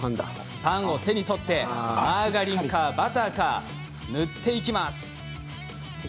パンを手に取ってマーガリンかバターを塗っていく。